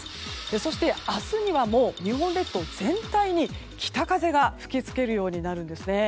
そして、明日にはもう日本列島全体に北風が吹きつけるようになるんです。